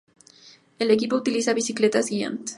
El equipo utiliza bicicletas Giant.